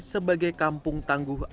sebagai kampung tangguh